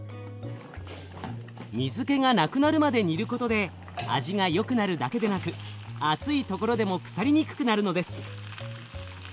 水けがなくなるまで煮ることで味がよくなるだけでなく暑いところでも腐りにくくなるのです。